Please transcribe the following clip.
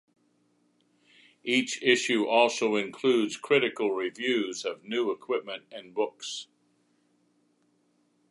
Each issue also includes critical reviews of new equipment and books.